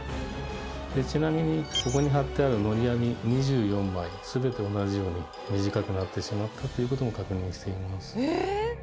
ちなみにここに張ってあるのり網２４枚すべて同じように短くなってしまったということも確認しています。